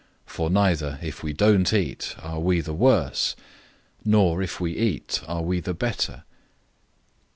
For neither, if we don't eat, are we the worse; nor, if we eat, are we the better.